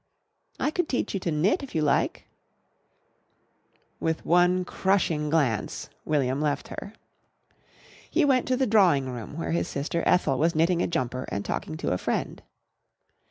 "I could teach you to knit if you like." With one crushing glance William left her. He went to the drawing room, where his sister Ethel was knitting a jumper and talking to a friend.